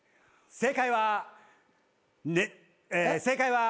正解はえ。